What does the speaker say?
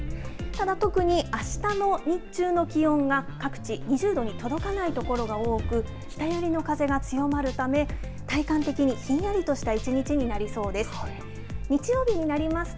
ただ、特にあしたの日中の気温が各地２０度に届かない所が多く、北寄りの風が強まるため、体感的にひんやりとした一日になりそうです。